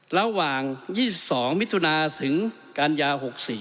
ระหว่าง๒๒มิถุนาถึงกันยา๖๔